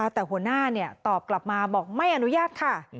แต่หัวหน้าตอบกลับมาบอกไม่อนุญาตค่ะ